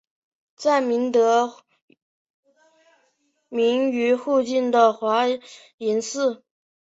站名得名于附近的华林寺。